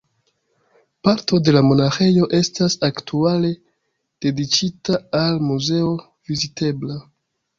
Parto de la monaĥejo estas aktuale dediĉita al muzeo vizitebla.